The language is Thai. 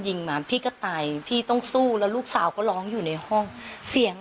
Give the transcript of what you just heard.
ยิงมาพี่ก็ตายพี่ต้องสู้แล้วลูกสาวก็ร้องอยู่ในห้องเสียง